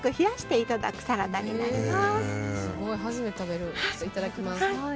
いただきます。